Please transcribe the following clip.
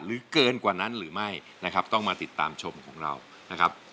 เกินกว่านั้นหรือไม่นะครับต้องมาติดตามชมของเรานะครับ